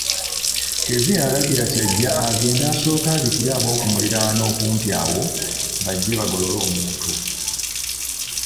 Kezia yalagira Kyajja agende asooke abikire abookumuliraano okumpi awo bajje bagolole omuntu.